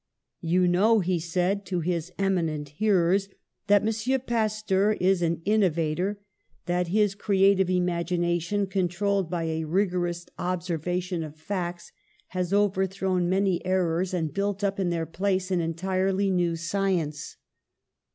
"You know," he said to his eminent hearers, "that M. Pasteur is an innovator, that his ere 178 PASTEUR ative imagination, controlled by a rigorous ob servation of facts, has overthrown many errors, and built up in their place an entirely new sci ence.